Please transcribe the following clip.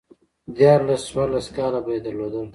ديارلس، څوارلس کاله به يې درلودل